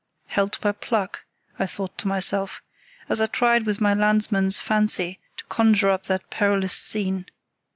Helped by pluck, I thought to myself, as I tried with my landsman's fancy to conjure up that perilous scene.